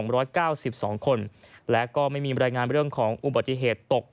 เราก็เริ่มไม่มีแบรนด์งานเรื่องของอุบสิเธศตก